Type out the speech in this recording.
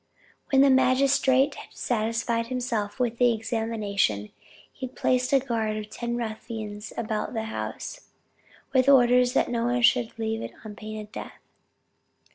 When the magistrate had satisfied himself with the examination, he placed a guard of ten ruffians about the house, with orders that no one should enter or leave it on pain of death.